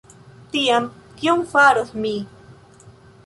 Tiam, kion faros mi?